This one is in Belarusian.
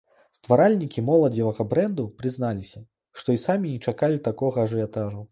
Стваральнікі моладзевага брэнду прызналіся, што і самі не чакалі такога ажыятажу.